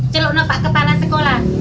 celoknya pak kepala sekolah